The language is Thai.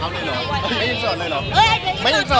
ไม่ยินสอดเลยเหรอ